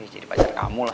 jadi pacar kamu lah